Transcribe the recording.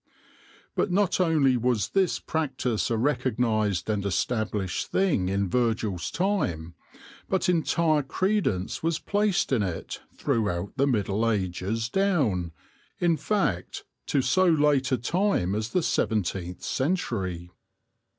But not only was this practice a recognised and es tablished thing in Virgil's time, but entire credence was placed in it throughout the Middle Ages down, in fact, to so late a time as the seventeenth century.